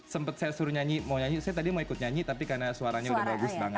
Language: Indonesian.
sempat saya suruh nyanyi mau nyanyi saya tadi mau ikut nyanyi tapi karena suaranya udah bagus banget